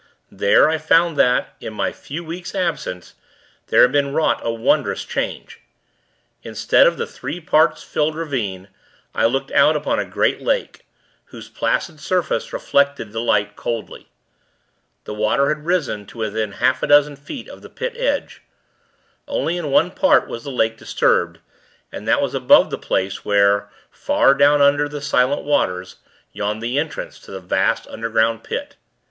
There, I found that, in my few weeks' absence, there had been wrought a wondrous change. Instead of the three parts filled ravine, I looked out upon a great lake, whose placid surface, reflected the light, coldly. The water had risen to within half a dozen feet of the Pit edge. Only in one part was the lake disturbed, and that was above the place where, far down under the silent waters, yawned the entrance to the vast, underground Pit.